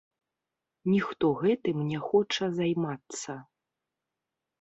Ніхто гэтым не хоча займацца.